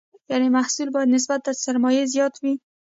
یعنې محصول باید نسبت تر سرمایې زیات وي.